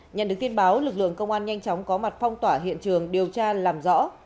nhận được tin báo lực lượng công an nhanh chóng có mặt phong tỏa hiện trường điều tra làm rõ